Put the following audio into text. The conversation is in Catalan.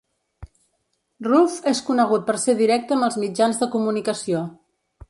Ruff és conegut per ser directe amb els mitjans de comunicació.